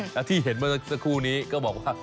และที่เห็นเมื่อสักครู่นี้ก็บอกว่า